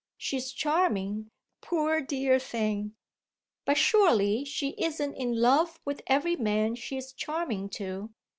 She's charming, poor dear thing." "But surely she isn't in love with every man she's charming to."